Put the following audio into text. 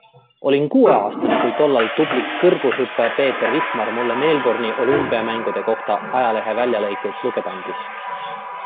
Olin kuueaastane, kui tollal tubli kõrgushüppaja Peeter Vihmar mulle Melbourne'i olümpiamängude kohta ajaleheväljalõikeid lugeda andis.